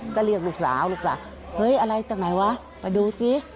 ก็เรียกลูกสาวลูกสาวเฮ้ยอะไรจากไหนวะไปดูสิ